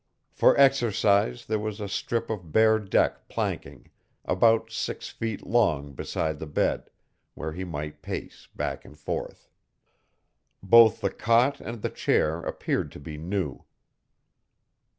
For exercise there was a strip of bare deck planking about six feet long beside the bed, where he might pace back and forth. Both the cot and chair appeared to be new.